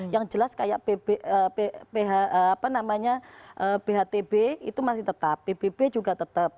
yang jelas kayak bhtb itu masih tetap pbb juga tetap